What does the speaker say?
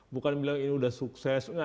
bukan bilang ini sudah sukses